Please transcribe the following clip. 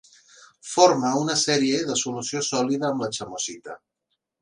Forma una sèrie de solució sòlida amb la chamosita.